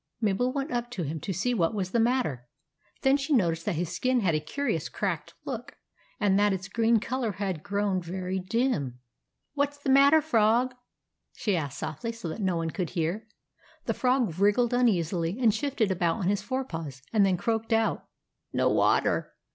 Mabel went up to him, to see what was the matter. Then she noticed that his skin had a curious cracked look, and that its green colour had grown very dim. "What's the matter, Frog?" she asked softly so that no one could hear. The Frog wriggled uneasily, and shifted about on his fore paws, and then croaked out, —" No water